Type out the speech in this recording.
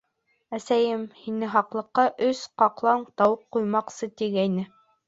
Әсәйем. һине һаҡлыҡҡа өс ҡаҡлаған тауыҡ ҡуймаҡсы, тигәйне...